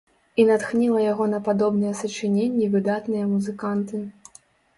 І натхніла яго на падобныя сачыненні выдатныя музыканты.